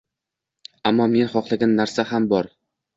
Ammo men xohlagan narsam bor.